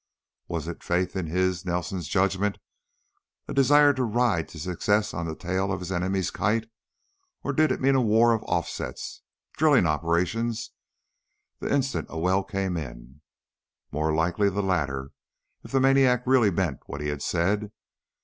Was it faith in his, Nelson's, judgment, a desire to ride to success on the tail of his enemy's kite, or did it mean a war of offsets, drilling operations the instant a well came in? More likely the latter, if the maniac really meant what he had said.